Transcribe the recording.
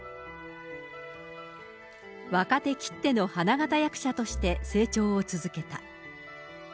若手きっての花形役者として成長を続けた。